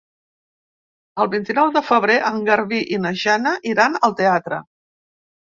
El vint-i-nou de febrer en Garbí i na Jana iran al teatre.